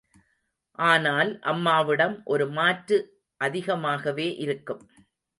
ஆனால் அம்மாவிடம் ஒரு மாற்று அதிகமாகவே இருக்கும்.